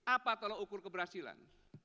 apa tolong ukur keberhasilan